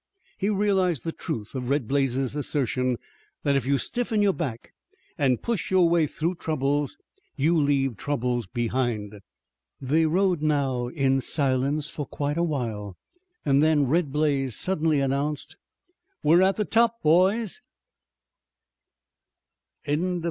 He realized the truth of Red Blaze's assertion that if you stiffen your back and push your way through troubles you leave troubles behind. They rode now in silence for quite a while, and then Red Blaze suddenly announced: "We're at the top, boys."